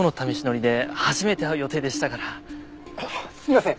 すいません